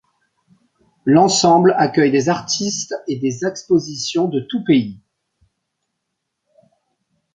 L'ensemble accueille des artistes et des expositions de tous pays.